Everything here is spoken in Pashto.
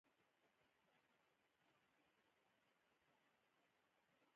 دا ماشین زوړ ده خو بیا هم کار کوي